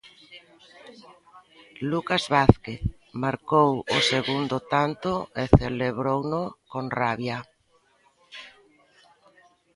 Lucas Vázquez marcou o segundo tanto e celebrouno con rabia.